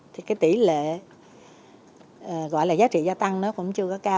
thì cái tỷ lệ gọi là giá trị gia tăng nó cũng chưa có cao